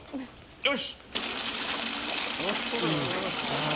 よし！